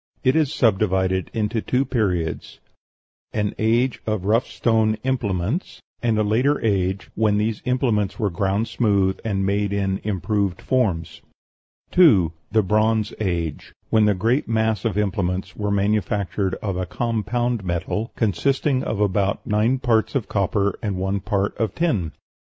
It is subdivided into two periods: an age of rough stone implements; and a later age, when these implements were ground smooth and made in improved forms. 2. The Bronze Age, when the great mass of implements were manufactured of a compound metal, consisting of about nine parts of copper and one part of tin.